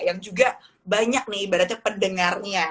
yang juga banyak nih ibaratnya pendengarnya